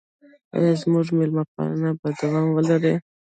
آیا زموږ میلمه پالنه به دوام ولري؟